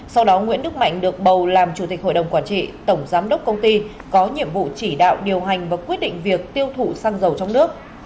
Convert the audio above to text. sau đó nguyễn đức mạnh được bầu làm chủ tịch hội đồng quản trị tổng giám đốc công ty có nhiệm vụ chỉ đạo điều hành và quyết định việc tiêu thụ xăng dầu trong nước